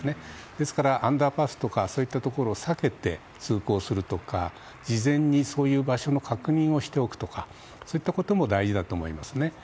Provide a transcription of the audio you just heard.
ですからアンダーパスとかそういうところを避けて通行するとか事前にそういう場所の確認をしておくとかそういったことも大事だと思います。